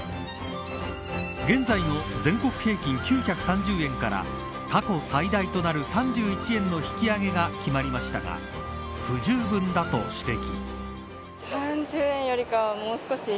現在の全国平均９３０円から過去最大となる３１円の引き上げが決まりましたが不十分だと指摘。